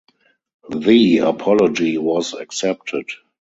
The apology was accepted.